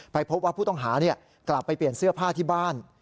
พบว่าผู้ต้องหากลับไปเปลี่ยนเสื้อผ้าที่บ้าน